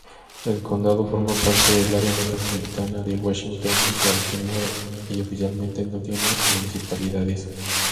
El condado forma parte del Área metropolitana de Washington-Baltimore y oficialmente no tiene municipalidades.